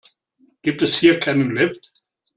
Gibt es hier keinen Lift?